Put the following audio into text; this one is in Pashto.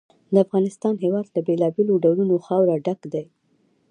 د افغانستان هېواد له بېلابېلو ډولونو خاوره ډک دی.